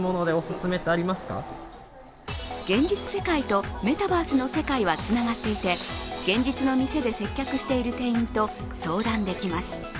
現実世界とメタバースの世界はつながっていて、現実の店で接客している店員と相談できます。